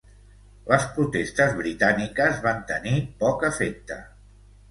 Les protestes britàniques van tenir poc efecte.